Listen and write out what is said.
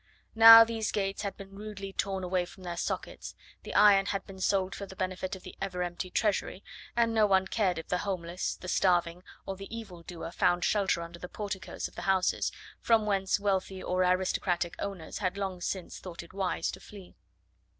Now these gates had been rudely torn away from their sockets, the iron had been sold for the benefit of the ever empty Treasury, and no one cared if the homeless, the starving, or the evil doer found shelter under the porticoes of the houses, from whence wealthy or aristocratic owners had long since thought it wise to flee.